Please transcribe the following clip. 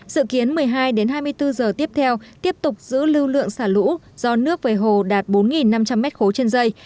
dự kiến một mươi hai hai mươi bốn giờ tiếp theo tiếp tục giữ lưu lượng xả lũ do nước về hồ đạt bốn năm trăm linh m ba trên dây